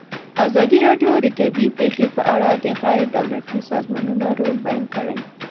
ازادي راډیو د طبیعي پېښې په اړه د غیر دولتي سازمانونو رول بیان کړی.